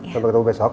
sampai ketemu besok